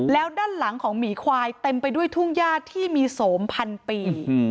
แล้วด้านหลังของหมีควายเต็มไปด้วยทุ่งญาติที่มีโสมพันปี